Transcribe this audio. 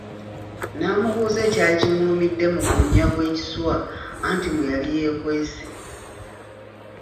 Namubuuza ekyali kimulumidde mu gunnya gw’ekiswa anti mwe yali yeekwese.